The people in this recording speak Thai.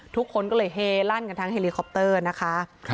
ทุกคนก็เลยเฮลั่นกันทั้งเฮลิคอปเตอร์นะคะ